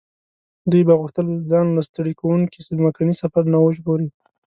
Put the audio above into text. دوی به غوښتل ځان له ستړي کوونکي ځمکني سفر نه وژغوري.